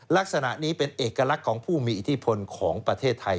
ลักษณะนี้เป็นเอกลักษณ์ของผู้มีอิทธิพลของประเทศไทย